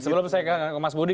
sebelum saya ke mas budi